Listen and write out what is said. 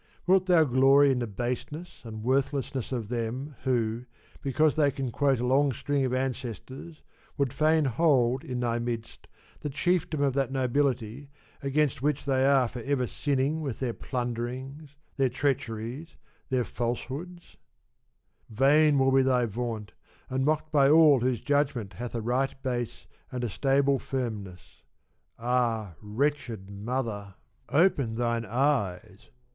Wilt thou glory in the baseness and worthlessness of them who, because they can quote a long string of ancestors, would fain hold in thy midst the chiefdom of that nobility against which they are for ever sinning with their plunderings, their treacheries, their falsehood? Vain will be thy vaunt, and mocked by all whose judgment hath a right base and a stable firmness. Ah wretched mother, open thine eyes